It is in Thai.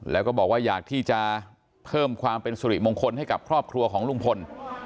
แล้วก็บอกว่าอยากที่จะเพิ่มความเป็นสุริมงคลให้กับครอบครัวของลุงพล